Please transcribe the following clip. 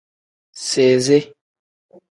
Sizi.